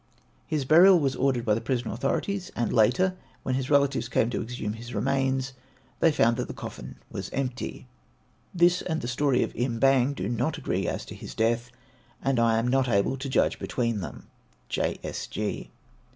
His burial was ordered by the prison authorities, and later, when his relatives came to exhume his remains, they found that the coffin was empty." This and the story of Im Bang do not agree as to his death, and I am not able to judge between them. J.